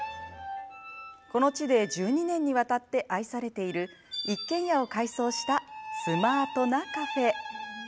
この地で１２年にわたって愛されている一軒家を改装したスマートなカフェ。